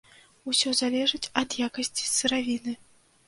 Усё залежыць ад якасці сыравіны.